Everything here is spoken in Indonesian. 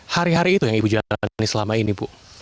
hari hari itu yang ibu jalani selama ini bu